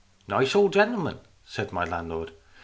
" Nice old gentleman," said my landlord.